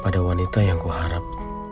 pada wanita yang kuharap